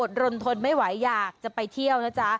รนทนไม่ไหวอยากจะไปเที่ยวนะจ๊ะ